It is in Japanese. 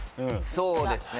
そうですね。